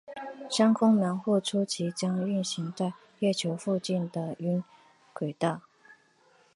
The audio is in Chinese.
深空门户初期将运行在月球附近的晕轨道。